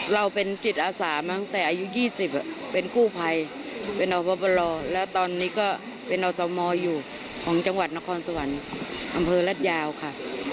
เราเป็นจิตอาสามาตั้งแต่อายุ๒๐เป็นกู้ภัยเป็นอบรแล้วตอนนี้ก็เป็นอสมอยู่ของจังหวัดนครสวรรค์อำเภอรัฐยาวค่ะ